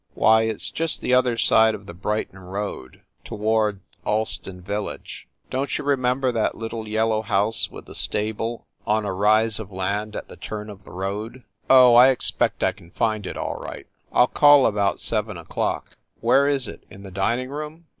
"Why, it s just the other side of the Brighton road, toward Allston village. Don t you remember that little yellow house with the stable on a rise of land at the turn of the road?" 286 FIND THE WOMAN "Oh, I expect I can find it all right. I ll call about seven o clock. Where is it, in the dining room